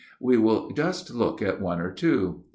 We will just look at one or two.